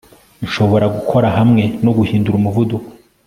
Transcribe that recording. Nshobora gukora hamwe no guhindura umuvuduko